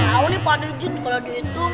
nah ini pak dejin kalau dihitung